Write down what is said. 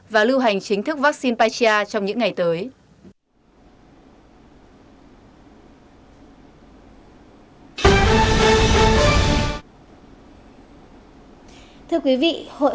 và lưu hành chính thức vaccine patria trong những ngày tới